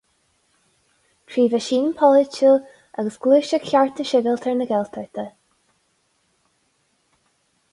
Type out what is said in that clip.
Trí mheaisín polaitiúil agus Gluaiseacht Chearta Sibhialta na Gaeltachta.